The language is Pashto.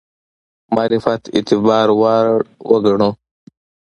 معرفت اعتبار وړ وګڼو.